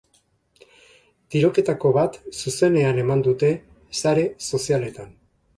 Tiroketako bat zuzenean eman dute sare sozialetan.